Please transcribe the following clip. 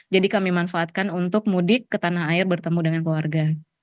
jadi kami manfaatkan untuk mudik ke tanah air bertemu dengan keluarga